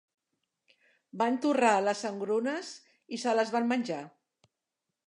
Van torrar les engrunes i se les van menjar.